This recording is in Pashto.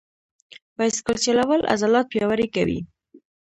بایسکل چلول عضلات پیاوړي کوي.